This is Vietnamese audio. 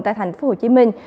tại thành phố hồ chí minh